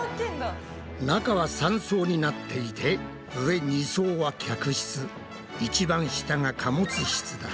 中は３層になっていて上２層は客室いちばん下が貨物室だ。